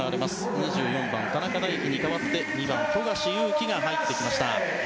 ２４番、田中大貴に代わって２番、富樫勇樹が入ってきました。